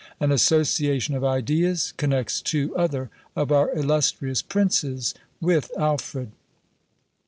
An association of ideas connects two other of our illustrious princes with Alfred.